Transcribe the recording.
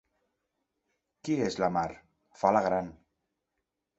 Qui és la Mar? —fa la gran.